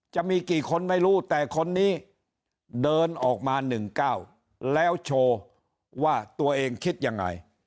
จะมีกี่คนไม่รู้แต่คนนี้เดินออกมา๑๙แล้วโชว์ว่าตัวเองคิดยังไง